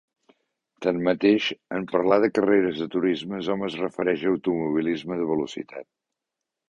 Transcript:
Tanmateix, en parlar de carreres de turismes hom es refereix a automobilisme de velocitat.